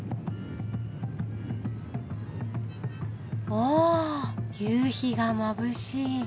お夕日がまぶしい。